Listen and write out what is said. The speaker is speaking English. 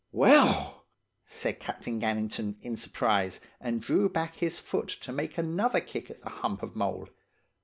"'Well?' said Captain Gannington, in surprise, and drew back his foot to make another kick at the hump of mould.